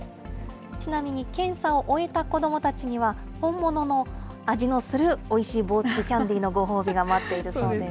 ちなみに、検査を終えた子どもたちには、本物の味のするおいしい棒付きキャンディーのご褒美が待っているそうです。